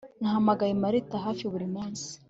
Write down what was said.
Nahamagaye Marika hafi buri munsi